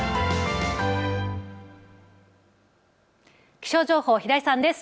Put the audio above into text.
気象情報、平井さんです。